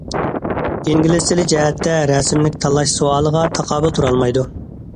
ئىنگلىز تىلى جەھەتتە رەسىملىك تاللاش سوئالىغا تاقابىل تۇرالمايدۇ.